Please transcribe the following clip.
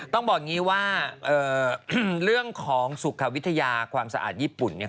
ต้องบอกอย่างนี้ว่าเรื่องของสุขวิทยาความสะอาดญี่ปุ่นเนี่ย